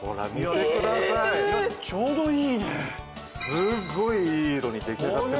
すっごいいい色に出来上がってませんか？